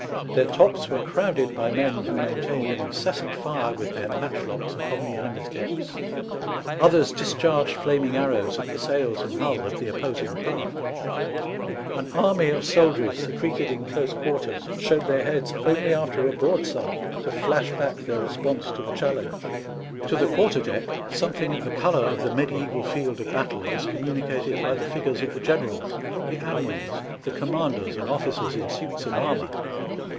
Their tops were crowded by men who maintained an incessant fire with their matchlocks upon the enemy's decks; others discharged flaming arrows at the sails and hull of the opposing craft. An army SPANISH ARMADA. 801 of soldiers secreted in close quarters, showed their heads only after a broadside to flash back their response to the challenge. To the quarter deck something of the colour of the medisBval field of battle was communicated by the figures of the generals, the admirals, the com manders, and oflScers in suits of armour.